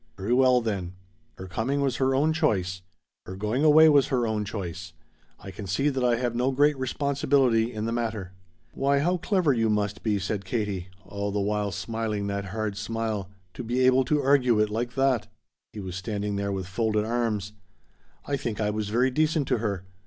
"Very well then. Her coming was her own choice. Her going away was her own choice. I can see that I have no great responsibility in the matter." "Why how clever you must be," said Katie, all the while smiling that hard smile, "to be able to argue it like that." He was standing there with folded arms. "I think I was very decent to her.